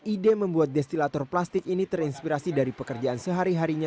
ide membuat destilator plastik ini terinspirasi dari pekerjaan sehari harinya